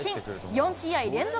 ４試合連続